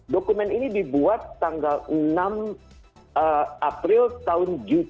dokumen ini dibuat tanggal enam april tahun juni